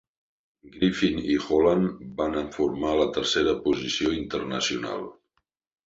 Griffin i Holland van formar la Tercera Posició Internacional.